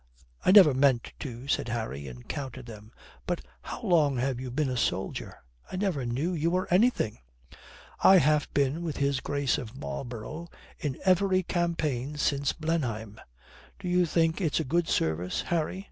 "I never meant to," said Harry, and counted them. "But how long have you been a soldier? I never knew you were anything." "I have been with his Grace of Marlborough in every campaign since Blenheim. Do you think it's a good service, Harry?"